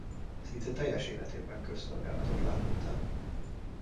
Szinte teljes életében közszolgálatot látott el.